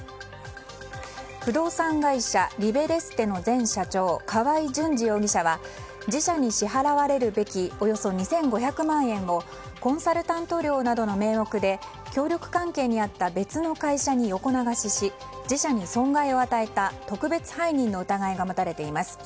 不動産会社リベレステの前社長河合純二容疑者は自社に支払われるべきおよそ２５００万円をコンサルタント料などの名目で協力関係にあった別の会社に横流しし、自社に損害を与えた特別背任の疑いが持たれています。